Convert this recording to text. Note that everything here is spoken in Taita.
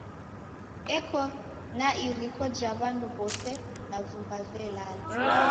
Eko na iriko ja w'andu w'ose na vumba velala.